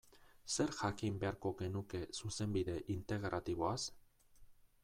Zer jakin beharko genuke Zuzenbide Integratiboaz?